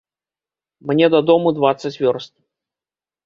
Мне дадому дваццаць вёрст.